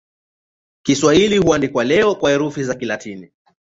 Kiswahili huandikwa leo kwa herufi za Kilatini.